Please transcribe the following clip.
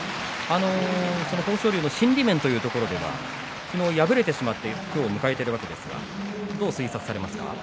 豊昇龍の心理面ということでは昨日、敗れてしまって今日を迎えているわけですがどう推察されますか。